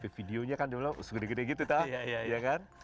videonya kan dulu segede gede gitu tahu